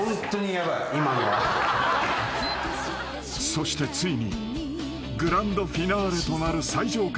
［そしてついにグランドフィナーレとなる最上階］